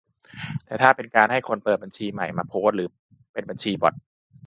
แต่ถ้าเป็นการให้คนเปิดบัญชีใหม่มาโพสต์ หรือเป็นบัญชีบอต